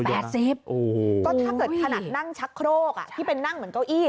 ก็ถ้าเกิดขนาดนั่งชักโครกที่เป็นนั่งเหมือนเก้าอี้